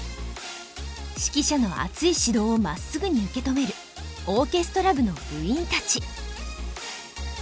指揮者の熱い指導をまっすぐに受け止めるオーケストラ部の部員たち。